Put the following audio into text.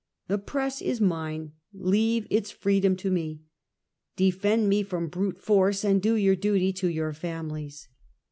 The press is mine, leave its freedom to me. Defend me from brute force and do your duty to your families."